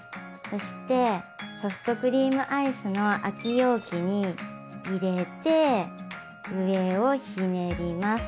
そしてソフトクリームアイスの空き容器に入れて上をひねります。